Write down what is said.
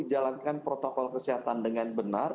jalankan protokol kesehatan dengan benar